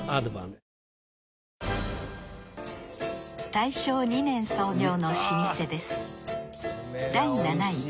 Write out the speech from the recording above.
大正２年創業の老舗です